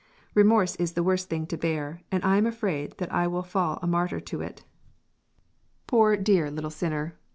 "Remorse is the worst thing to bear, and I am afraid that I will fall a marter to it." Poor dear little sinner!